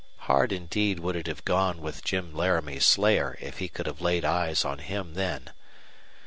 Hard indeed would it have gone with Jim Laramie's slayer if he could have laid eyes on him then.